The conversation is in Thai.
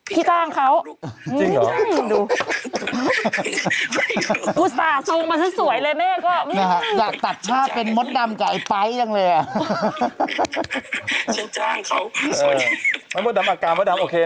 พี่จ้างเขาลูก